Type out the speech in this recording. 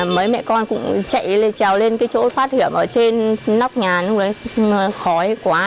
mấy mẹ con cũng chạy chào lên chỗ thoát hiểm ở trên nóc nhà lúc đấy khói quá